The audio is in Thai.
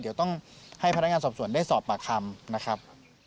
เดี๋ยวต้องให้พนักงานสอบสวนได้สอบปากคำนะครับ